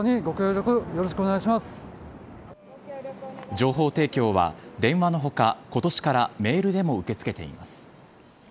情報提供は電話の他今年からメールでも受け付けています。